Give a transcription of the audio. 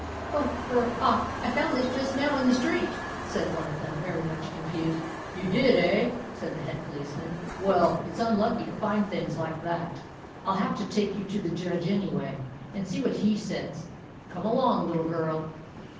"Oh — er — ah — I found this just now in the street," said one of them, very much confused. " You did, eh ?" said the Head Policeman. " Well, it 's unlucky to find things like that. I '11 have to take you to the Judge anyway, and see what he says. Come along, little girl."